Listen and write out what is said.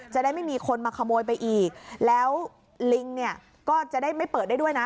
ไม่มีคนมาขโมยไปอีกแล้วลิงเนี่ยก็จะได้ไม่เปิดได้ด้วยนะ